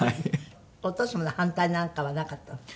お父様の反対なんかはなかったの？